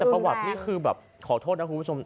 แต่ประวัตินี่คือแบบขอโทษนะคุณผู้ชม